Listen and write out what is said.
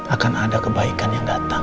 akan ada kebaikan yang datang